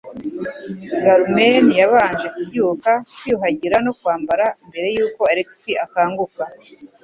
Carmen yabanje kubyuka, kwiyuhagira no kwambara mbere yuko Alex akanguka.